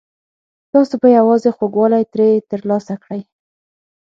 تاسو به یوازې خوږوالی ترې ترلاسه کړئ.